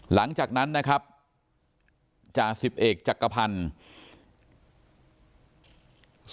หลังจากนั้นนะครับจาน๑๑จักรพันธุ์